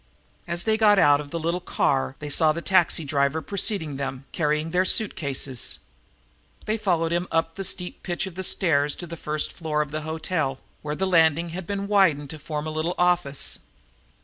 As they got out of the little car they saw that the taxi driver had preceded them, carrying their suit cases. They followed up a steep pitch of stairs to the first floor of the hotel, where the landing had been widened to form a little office.